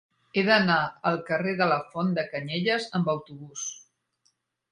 He d'anar al carrer de la Font de Canyelles amb autobús.